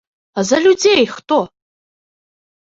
А за людзей хто?!